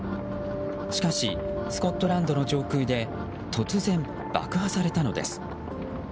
しかし、スコットランドの上空で突然、爆破されたのです。